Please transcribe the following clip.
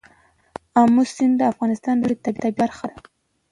آمو سیند د افغانستان د ښکلي طبیعت برخه ده.